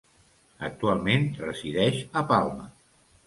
Actualment resideix a Palma.